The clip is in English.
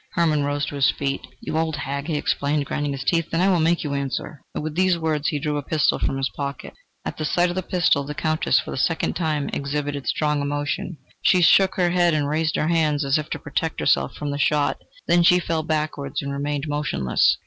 Hermann rose to his feet. "You old hag!" he exclaimed, grinding his teeth, "then I will make you answer!" With these words he drew a pistol from his pocket. At the sight of the pistol, the Countess for the second time exhibited strong emotion. She shook her head and raised her hands as if to protect herself from the shot... then she fell backwards and remained motionless.